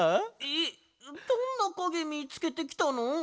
えっどんなかげみつけてきたの？